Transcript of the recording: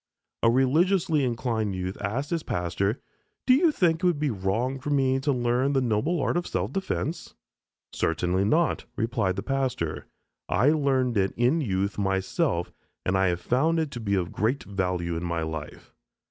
A religiously inclined youth asked his pastor, "Do you think it would be wrong for me to learn the noble art of self defense?" "Certainly not," replied the pastor, "I learned it in youth myself, and I have found it of great value in my life."